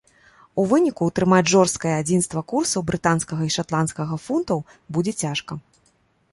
У выніку ўтрымаць жорсткае адзінства курсаў брытанскага і шатландскага фунтаў будзе цяжка.